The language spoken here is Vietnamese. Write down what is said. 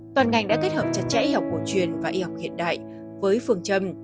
toàn ngành đã kết hợp chặt chẽ y học cổ truyền và y học hiện đại với phương châm